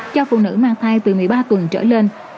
cho phụ nữ mang thai từ một mươi ba tuần trở lên